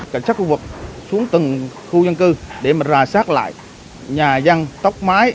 cảnh sát khu vực xuống từng khu dân cư để mà ra sát lại nhà dân tóc mái